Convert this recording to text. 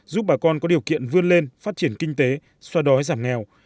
giúp bà con có điều kiện vươn lên phát triển kinh tế xoa đói giảm nghèo